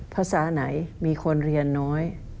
ภาษาไหนมีคนเรียนน้อย